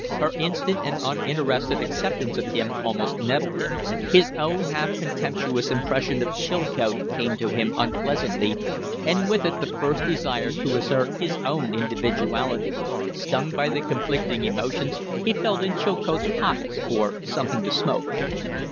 Her instant and uninterested acceptance of him almost nettled him; his own half contemptuous impression of Chilcote came to him unpleasantly, and with it the first desire to assert his own individuality. Stung by the conflicting emotions, he felt in Chilcote's pockets for something to smoke.